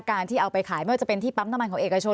ที่เอาไปขายไม่ว่าจะเป็นที่ปั๊มน้ำมันของเอกชน